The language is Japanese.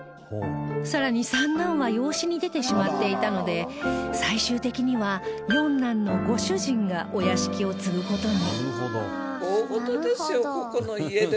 さらに三男は養子に出てしまっていたので最終的には四男のご主人がお屋敷を継ぐ事に